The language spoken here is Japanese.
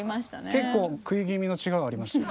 結構食い気味の「違う」ありました。